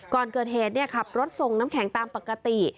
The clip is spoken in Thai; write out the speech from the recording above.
ก่อนเกิดเหตุขับรถส่งน้ำแข็งตามปกติ